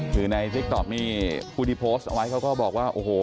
คือในติ๊กต๊อกนี่ผู้ที่โพสต์เอาไว้เขาก็บอกว่าโอ้โห